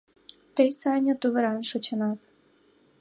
«Тый, Саня, тувыран шочынат.